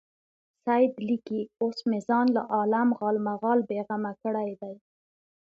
سید لیکي اوس مې ځان له عالم غالمغال بېغمه کړی دی.